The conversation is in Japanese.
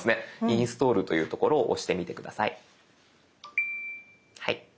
インストールというところを押してみて下さい。